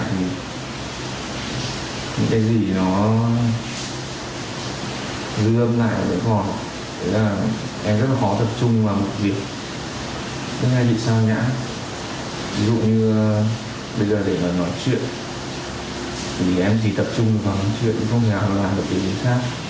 ví dụ như bây giờ để mà nói chuyện thì em chỉ tập trung vào nói chuyện không nhả làm được gì gì khác